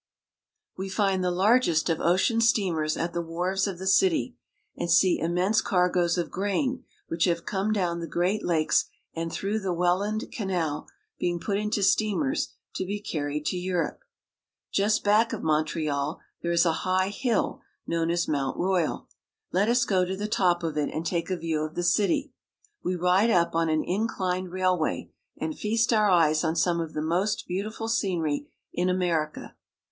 We find the largest of ocean steamers at the wharves of the city, and see immense cargoes of grain, which have come down the Great Lakes and through the Welland Canal, being put into steamers to be carried to Europe. Just back of Montreal there is a high hill known as Mount Royal. Let us go to the top of it and take a view of the city. We ride up on an incHned railway, and feast our eyes on some of the most beautiful scenery in Amer ica.